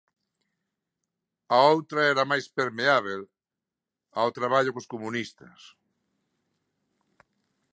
A outra era máis permeábel ao traballo cos comunistas.